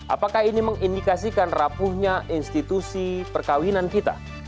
apakah ini mengindikasikan rapuhnya institusi perkawinan kita